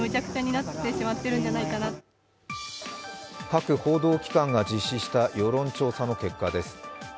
各報道機関が実施した世論調査の結果です。